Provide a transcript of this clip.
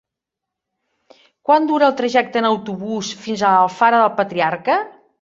Quant dura el trajecte en autobús fins a Alfara del Patriarca?